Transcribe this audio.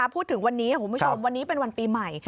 พูดถึงวันนี้คุณผู้ชมวันนี้เป็นวันปีใหม่